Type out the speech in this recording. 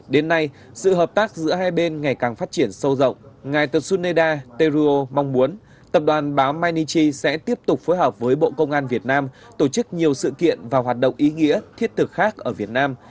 đến nay sự hợp tác giữa hai bên ngày càng phát triển sâu rộng ngài the suneda tero mong muốn tập đoàn báo mainichi sẽ tiếp tục phối hợp với bộ công an việt nam tổ chức nhiều sự kiện và hoạt động ý nghĩa thiết thực khác ở việt nam